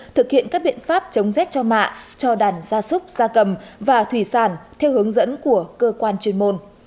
thực hiện các biện pháp chống rét cho mạ cho đàn gia súc gia cầm và thủy sản theo hướng dẫn của cơ quan chuyên môn